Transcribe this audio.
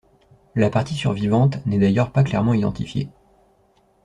La partie survivante n'est d'ailleurs pas clairement identifiée.